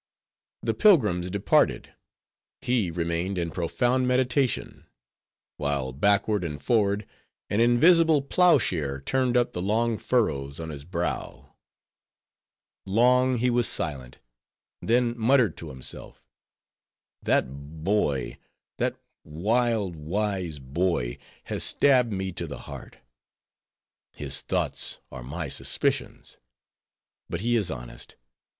The pilgrims departed, he remained in profound meditation; while, backward and forward, an invisible ploughshare turned up the long furrows on his brow. Long he was silent; then muttered to himself, "That boy, that wild, wise boy, has stabbed me to the heart. His thoughts are my suspicions. But he is honest.